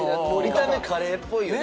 見た目カレーっぽいよね。